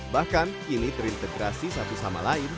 bahkan kini terintegrasi satu sama lain